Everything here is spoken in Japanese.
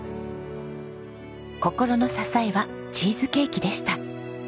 心の支えはチーズケーキでした。